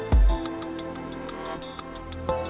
apa lelah kamu